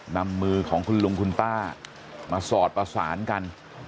นำมือของคุณลุงคุณป้ามาสอดประสานกัน